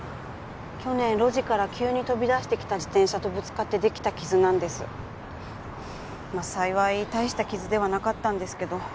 去年路地から急に飛び出してきた自転車とぶつかってできた傷なんです幸い大した傷ではなかったんですけど